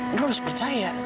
non harus percaya